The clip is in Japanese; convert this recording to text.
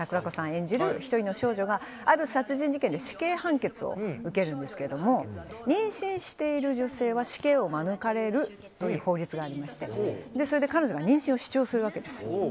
演じる少女がある殺人事件で死刑判決を受けるんですが妊娠している女性は死刑を免れるという法律がありましてそれで彼女は妊娠を主張するわけです。